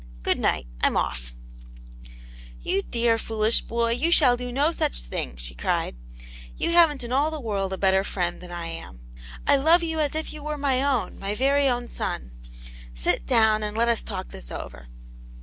Good night ; I'm off/' "You dear, foolish boy, you shall do no such thing !" she cried. " You hav'n't in all the world a better friend than I am. I love you as if you were my own, my very own son. Sit down and let us talk this over."